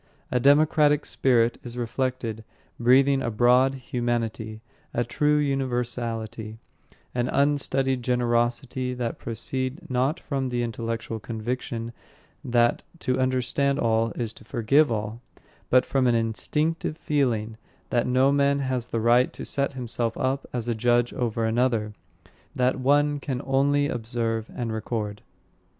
A democratic spirit is reflected, breathing a broad humanity, a true universality, an unstudied generosity that proceed not from the intellectual conviction that to understand all is to forgive all, but from an instinctive feeling that no man has the right to set himself up as a judge over another, that one can only observe and record.